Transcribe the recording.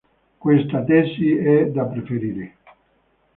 Questa tesi è da preferire.